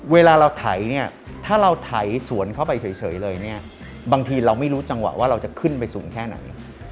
เวลาเราไถเนี่ยถ้าเราไถสวนเข้าไปเฉยเลยเนี่ยบางทีเราไม่รู้จังหวะว่าเราจะขึ้นไปสูงแค่ไหน